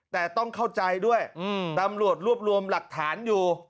แต่ต้องเข้าใจด้วยตำรวจรวบรวมหลักฐานอยู่